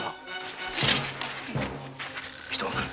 人が来る。